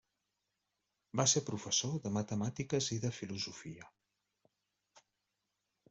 Va ser professor de matemàtiques i de filosofia.